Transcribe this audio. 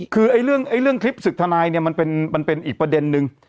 คือเรื่องคลิปศึกทนายเนี่ยมันเป็นอีกประเด็นนึง